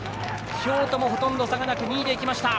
京都もほとんど差がなく２位で行きました。